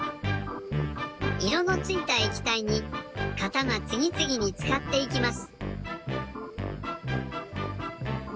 いろのついたえきたいに型がつぎつぎにつかっていきます。